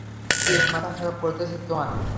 কে মাথা খারাপ করতেছে তোমার?